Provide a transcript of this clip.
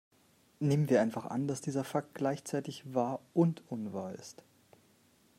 Nehmen wir einfach an, dass dieser Fakt gleichzeitig wahr und unwahr ist.